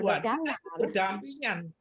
bukan kita berdampingan